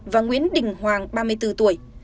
và nguyễn đình hoàng ba mươi bốn tuổi